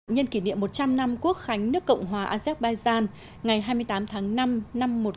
nhân kỷ niệm một trăm linh năm quốc khánh nước cộng hòa azerbaijan ngày hai mươi tám tháng năm năm một nghìn chín trăm bảy mươi